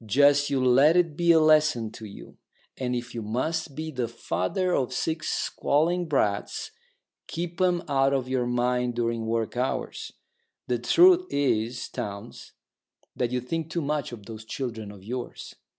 Just you let it be a lesson to you. And if you must be the father of six squalling brats, keep 'em out of your mind during work hours. The truth is, Townes, that you think too much of those children of yours.